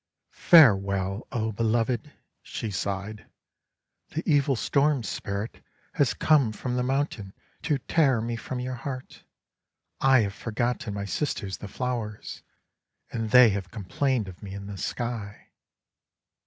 "Farewell! O Beloved!" she sighed. "The Evil Storm Spirit has come from the mountain to tear me from your heart. I have forgotten my sisters the flowers, and they have complained of me in the sky."